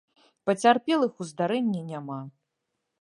Пацярпелых у здарэнні няма.